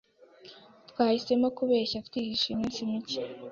Twahisemo kubeshya twihishe iminsi mike.